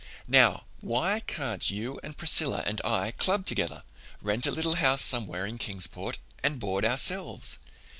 "Now, why can't you and Priscilla and I club together, rent a little house somewhere in Kingsport, and board ourselves?